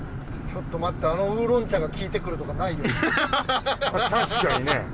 ちょっと待ってあのウーロン茶がきいてくるとかないよね？